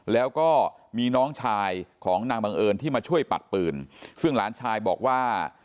แล้วก็มีน้องชายของนางบังเอิญที่มาช่วยปัดปืนซึ่งหลานชายบอกว่า